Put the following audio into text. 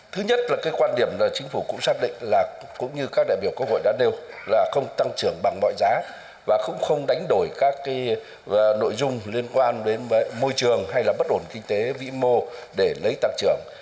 thứ nhất là cái quan điểm là chính phủ cũng xác định là cũng như các đại biểu quốc hội đã nêu là không tăng trưởng bằng mọi giá và cũng không đánh đổi các nội dung liên quan đến môi trường hay là bất ổn kinh tế vĩ mô để lấy tăng trưởng